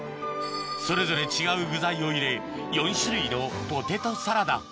それぞれ違う具材を入れ４種類のポテトサラダ